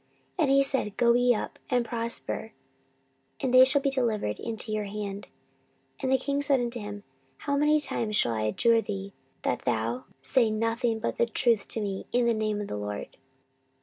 And he said, Go ye up, and prosper, and they shall be delivered into your hand. 14:018:015 And the king said to him, How many times shall I adjure thee that thou say nothing but the truth to me in the name of the LORD?